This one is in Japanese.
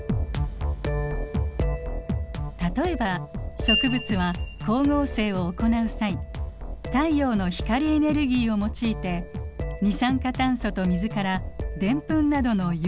例えば植物は光合成を行う際太陽の光エネルギーを用いて二酸化炭素と水からデンプンなどの有機物を合成。